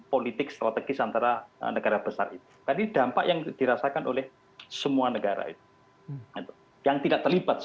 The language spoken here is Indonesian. politik strategis antara negara besar itu tadi dampak yang dirasakan oleh semua negara itu yang tidak terlibat